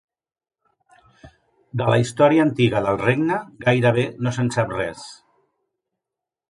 De la història antiga del regne gairebé no se'n sap res.